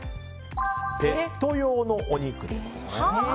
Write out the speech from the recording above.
ペット用のお肉です。